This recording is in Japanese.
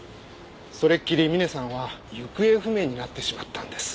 それっきりミネさんは行方不明になってしまったんです。